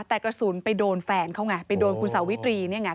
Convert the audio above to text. แต่กระสุนไปโดนแฟนเขาไงไปโดนคุณสาวิตรีเนี่ยไง